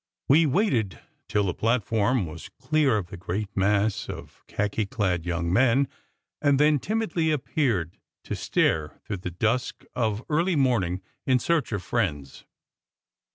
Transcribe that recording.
We waited till the plat form was clear of the great mass of khaki clad young men, and then timidly appeared, to stare through the dusk of early morning in search of friends.